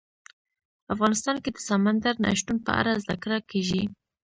افغانستان کې د سمندر نه شتون په اړه زده کړه کېږي.